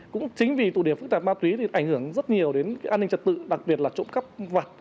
cũng chính vì tụi đề phức tạp ma túy thì ảnh hưởng rất nhiều đến an ninh trật tự đặc biệt là trộm cắp vật